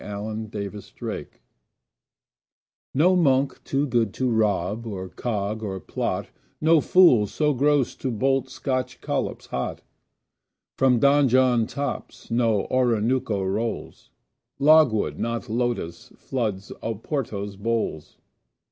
INCONTROVERTIBLE FACTS NO monk too good to rob, or cog, or plot, No fool so gross to bolt Scotch collops hot From Donjon tops no Oronooko rolls. Logwood, not lotos, floods Oporto's bowls.